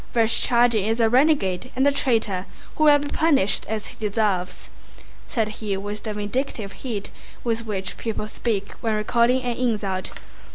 "Vereshchágin is a renegade and a traitor who will be punished as he deserves," said he with the vindictive heat with which people speak when recalling an insult.